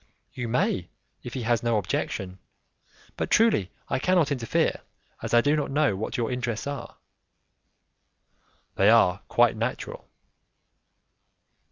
"You may, if he has no objection, but truly I cannot interfere, as I do not know what your intentions are." "They are quite natural."